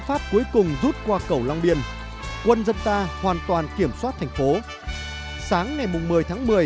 pháp cuối cùng rút qua cầu long biên quân dân ta hoàn toàn kiểm soát thành phố sáng ngày một mươi tháng một mươi